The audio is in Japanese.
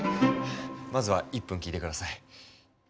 まずは１分聞いて下さい。